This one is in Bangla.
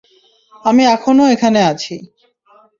আমি এখনও এখানে আছি।